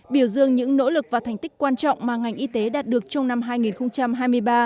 biểu dương những nỗ lực và thành tích quan trọng mà ngành y tế đạt được trong năm hai nghìn hai mươi ba